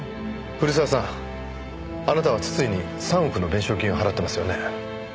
古澤さんあなたは筒井に３億の弁償金を払ってますよね？